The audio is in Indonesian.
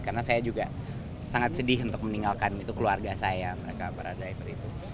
karena saya juga sangat sedih untuk meninggalkan keluarga saya mereka para driver itu